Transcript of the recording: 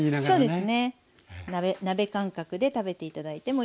そうですね。